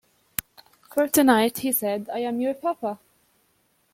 "For tonight," he said, "I am your papa!"